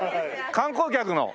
観光客の？